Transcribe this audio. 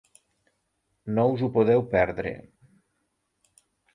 No us ho podeu perdre.